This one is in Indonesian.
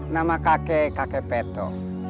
nama kakek kakek peto